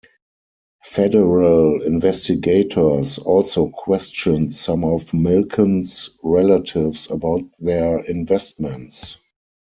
Federal investigators also questioned some of Milken's relatives about their investments.